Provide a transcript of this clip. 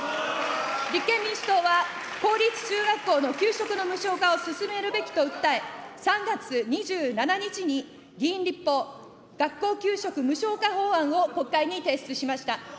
立憲民主党は、公立中学校の給食の無償化を進めるべきと訴え、３月２７日に議員立法、学校給食無償化法案を国会に提出しました。